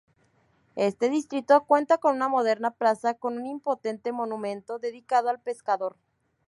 Este distrito cuenta con una moderna Plaza con un imponente monumento dedicado al pescador.